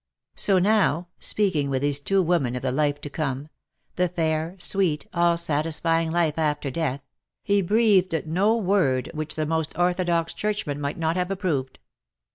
So now, speaking with these two women of the life to come — the fair, sweet, all satisfying life after death — he breathed no word which the most orthodox churchman might not have approved.